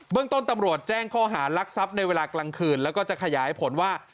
เรื่องต้นตำรวจแจ้งข้อหารักทรัพย์ในเวลากลางคืนแล้วก็จะขยายผลว่า